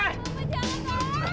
hei pergi kalian